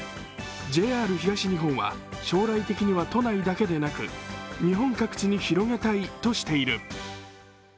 ＪＲ東日本は、将来的には都内だけでなく日本各地に広げたいとしている。